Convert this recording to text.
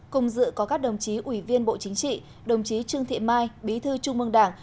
cùng dự có các đồng chí ủy viên bộ chính trị đồng chí trương thị mai bí thư trung mương đảng